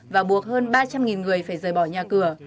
và buộc hơn ba trăm linh người phải rời bỏ nhà cửa